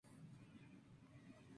Su nombre es Olly.